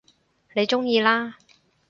你鍾意啦